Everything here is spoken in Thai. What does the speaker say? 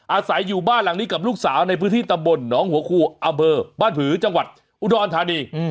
อาศัยอยู่บ้านหลังนี้กับลูกสาวในพื้นที่ตำบลหนองหัวคูอำเภอบ้านผือจังหวัดอุดรธานี